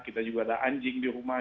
kita juga ada anjing di rumah